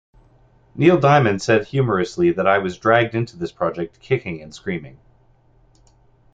Neil Diamond said humorously that I was dragged into this project kicking and screaming.